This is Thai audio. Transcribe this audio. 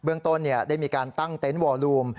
เบื้องต้นเนี่ยได้มีการตั้งเต็นต์วอลูม